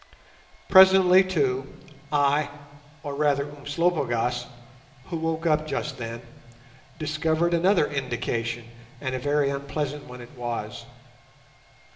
Presently, too, I, or rather Umslopogaas, who woke up just then, discovered another indication, and a very unpleasant one it was.